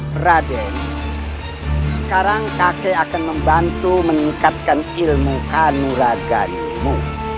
prade sekarang kakek akan membantu meningkatkan ilmu kanuraganmu